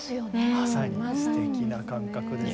まさにすてきな感覚です。